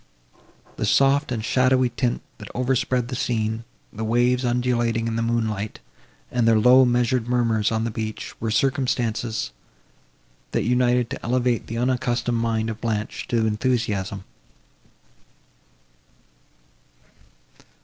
The soft and shadowy tint, that overspread the scene, the waves, undulating in the moonlight, and their low and measured murmurs on the beach, were circumstances, that united to elevate the unaccustomed mind of Blanche to enthusiasm.